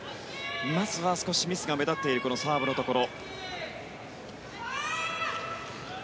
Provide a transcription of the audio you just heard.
まずは少しミスが目立っているサーブのところ。